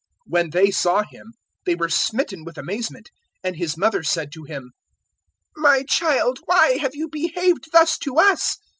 002:048 When they saw Him, they were smitten with amazement, and His mother said to Him, "My child, why have you behaved thus to us?